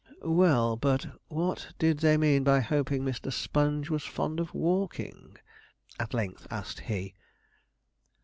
'Well, but what did they mean by hoping Mr. Sponge was fond of walking?' at length asked he.